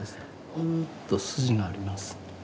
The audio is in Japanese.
ふっと筋があります。